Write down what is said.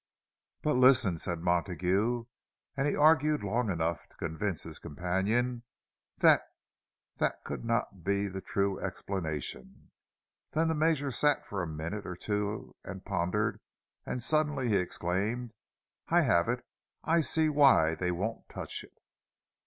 "But listen," said Montague; and he argued long enough to convince his companion that that could not be the true explanation. Then the Major sat for a minute or two and pondered; and suddenly he exclaimed, "I have it! I see why they won't touch it!"